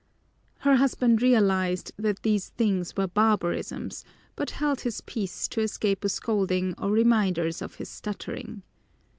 Her husband realized that these things were barbarisms, but held his peace to escape a scolding or reminders of his stuttering.